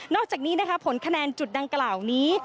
อกจากนี้นะคะผลคะแนนจุดดังกล่าวนี้